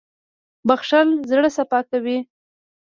• بښل زړه صفا کوي.